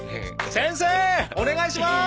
先生お願いしまーす。